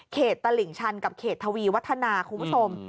ตลิ่งชันกับเขตทวีวัฒนาคุณผู้ชม